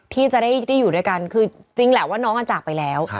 ที่จะได้อยู่ด้วยกันคือจริงแหละว่าน้องจากไปแล้ว